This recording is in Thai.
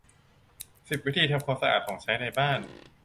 สิบ วิธีทำความสะอาดของใช้ในบ้าน